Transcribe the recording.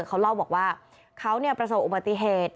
เขาเล่าบอกว่าเขาประสบอุบัติเหตุ